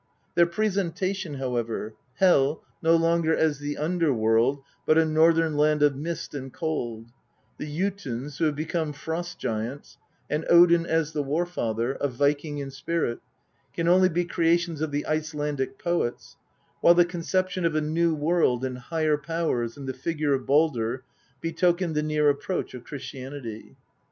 Their presentation, how ever Hel, no longer as the underworld, but a northern land of mist and cold, the Jotuns, who have become Frost giants, and Odin as the War father, a Viking in spirit can only be creations of the Icelandic poets ; while the conception of a new world and higher Powers and the figure of Baldr betoken the near approach of Christianity.